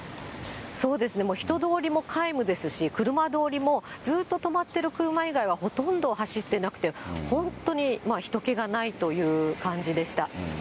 そうですね、もう人通りも皆無ですし、車通りもずっと止まってる車以外はほとんど走ってなくて、本当にひと気がないという感じでした。